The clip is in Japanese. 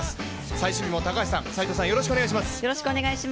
最終日も高橋さん、斎藤さん、よろしくお願いします。